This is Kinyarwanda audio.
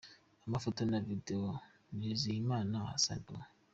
Amafoto na Video: Nizigiyimana Hassan U.